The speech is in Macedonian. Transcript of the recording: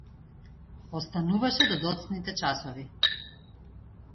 Остануваше до доцните часови.